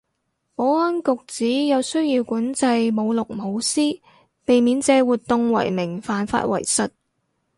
保安局指有需要管制舞龍舞獅，避免借活動為名犯法為實